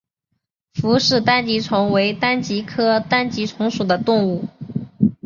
傅氏单极虫为单极科单极虫属的动物。